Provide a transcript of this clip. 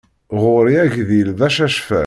Ɣur-i agdil d acacfal.